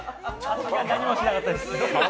味が何もしなかったです。